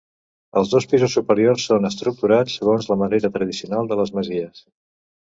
Els dos pisos superiors són estructurats segons la manera tradicional de les masies.